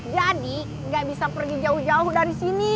jadi ga bisa pergi jauh jauh dari sini